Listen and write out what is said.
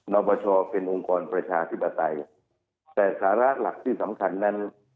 อปชเป็นองค์กรประชาธิปไตยแต่สาระหลักที่สำคัญนั้น